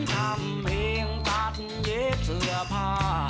ทำเพลงตัดเย็บเสื้อผ้า